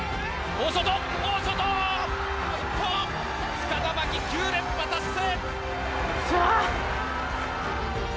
塚田真希、９連覇達成！